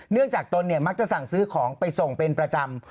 จากตนเนี่ยมักจะสั่งซื้อของไปส่งเป็นประจำ